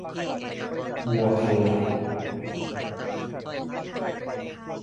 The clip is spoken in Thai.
วัวพันหลัก